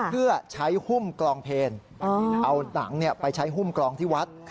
เพื่อใช้หุ้มกลองเพลเอาหนังไปใช้หุ้มกลองที่วัด